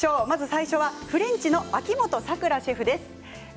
まず最初はフレンチの秋元さくらシェフです。